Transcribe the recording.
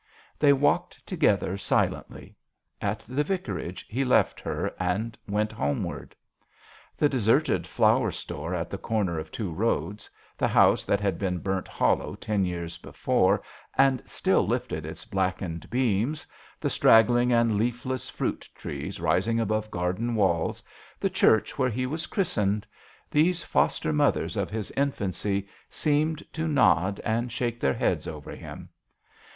They walked together silently. At the vicarage he left her and went homeward. The deserted flour store at the corner of two roads, the house that had been burnt hollow ten years before and still lifted its blackened beams, the straggling and leafless fruit trees rising above garden walls, the church where he was christened these foster mothers of his infancy seemed to nod and shake their heads over him.